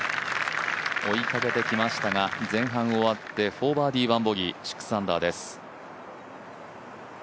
追いかけてきましたが、前半終わって４バーディー、１ボギー６アンダーです。